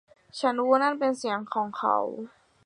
ฉันรู้ว่านั่นเป็นเสียงของเขา